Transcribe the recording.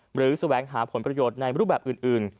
แสวงหาผลประโยชน์ในรูปแบบอื่น